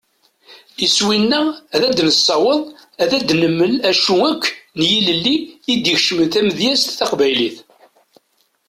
Iswi-nneɣ ad nessaweḍ ad d-nemmel acu akk n yilelli i d-ikecmen tamedyazt taqbaylit.